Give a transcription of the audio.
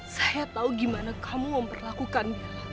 saya tahu gimana kamu memperlakukan